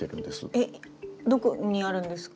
えっどこにあるんですか？